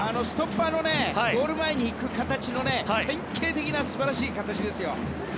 ストッパーのゴール前に行く形の典型的な、素晴らしい形ですよ。